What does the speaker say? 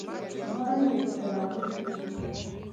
دا نه دی چې په راډیو کې و.